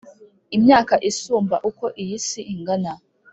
Imyaka isumba uko iyi si ingana